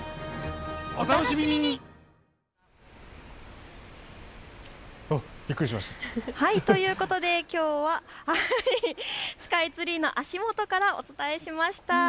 お楽しみに。ということで、きょうはスカイツリーの足元からお伝えしました。